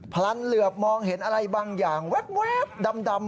พลันเหลือบมองเห็นอะไรบางอย่างแว๊บดำ